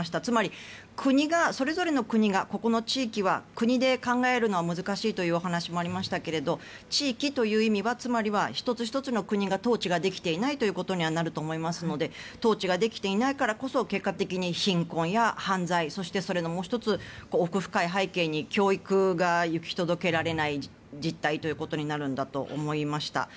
つまり、それぞれの国がここの地域は国で考えるのは難しいというお話もありましたけれど地域という意味はつまり、１つ１つの国が統治できていないということになると思いますので統治ができていないからこそ結果的に貧困や犯罪そしてそれのもう１つ奥深い背景に教育が行き届けられないという実態になるんだと思いました。